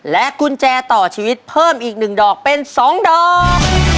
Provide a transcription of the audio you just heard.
กุญแจต่อชีวิตเพิ่มอีก๑ดอกเป็น๒ดอก